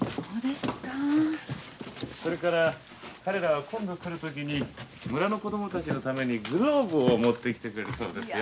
それから彼らは今度来る時に村の子供たちのためにグローブを持ってきてくれるそうですよ。